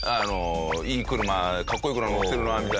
「いい車かっこいい車乗ってるな」みたい